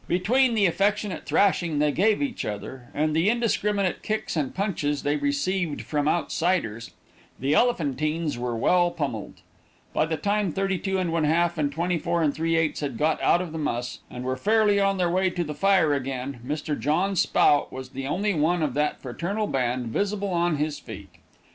Between the affectionate thrashing they gave each other, and the indiscriminate kicks and punches they received from outsiders, the Elephantines were well pommelled. By the time 32 1/2 and 24 3/8 had got out of the muss, and were fairly on their way to the fire again, Mr. John Spout was the only one of that fraternal band visible on his feet.